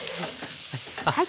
はい。